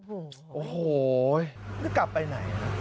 โอ้โหนี่กลับไปไหน